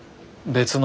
別の？